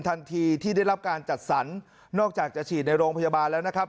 ทันทีที่ได้รับการจัดสรรนอกจากจะฉีดในโรงพยาบาลแล้วนะครับ